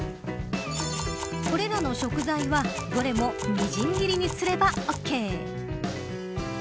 これらの食材は、どれもみじん切りにすればオーケー。